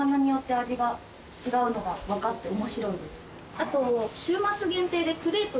あと。